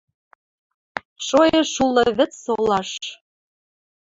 Шоэш улы вӹц солаш.